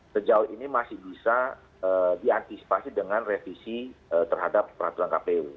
sejauh ini masih bisa diantisipasi dengan revisi terhadap peraturan kpu